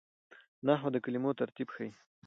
نحوه د کلمو ترتیب ښيي.